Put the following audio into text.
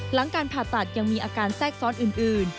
หลังการผ่าตัดยังมีอาการแทรกซ้อนอื่น